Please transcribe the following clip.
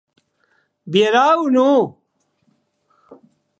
Vierà o non?